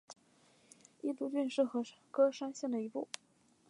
伊都郡是和歌山县的一郡。